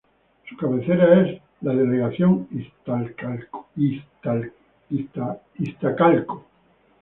Su cabecera es la Delegación Iztacalco.